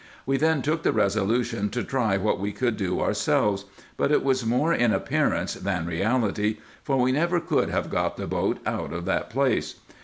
We then took the resolution to try what we could do ourselves, but it was more in appearance than reality, for we never could have got the boat out of that place.